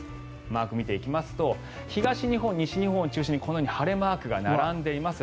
マークを見ていきますと東日本、西日本を中心にこのように晴れマークが並んでいます。